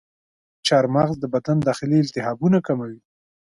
چارمغز د بدن داخلي التهابونه کموي.